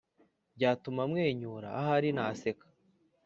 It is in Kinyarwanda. Byatuma mwenyura ahari na naseka